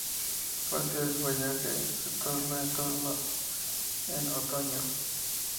Parte del follaje se torna rojo en otoño.